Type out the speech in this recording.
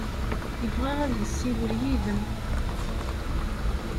Yebɣa ad yessiwel yid-m.